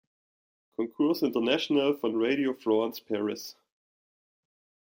Concours International von Radio France Paris.